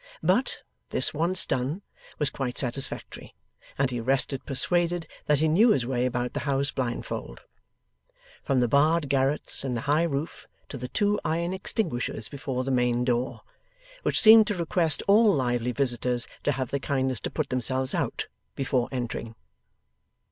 But, this once done, was quite satisfactory, and he rested persuaded, that he knew his way about the house blindfold: from the barred garrets in the high roof, to the two iron extinguishers before the main door which seemed to request all lively visitors to have the kindness to put themselves out, before entering.